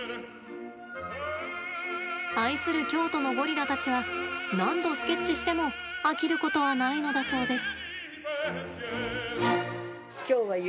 愛する京都のゴリラたちは何度スケッチしても飽きることはないのだそうです。